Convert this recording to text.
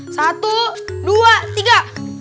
satu dua tiga